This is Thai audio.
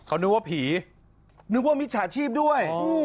เขานึกว่าผีนึกว่ามิจฉาชีพด้วย